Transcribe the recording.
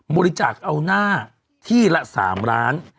บริจาคเอาหน้าที่ละ๓ล้าน